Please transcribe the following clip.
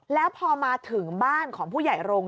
แล้วพอมาถึงบ้านของผู้ใหญ่โรงค